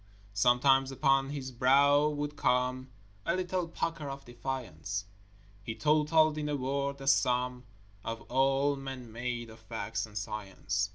Sometimes upon his brow would come A little pucker of defiance; He totalled in a word the sum Of all man made of facts and science.